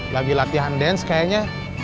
lagi latihan dance kayaknya